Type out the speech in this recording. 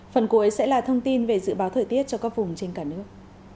phần cuối sẽ là thông tin về dự báo thời tiết cho các vùng trên cả nước